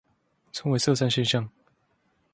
稱為色散現象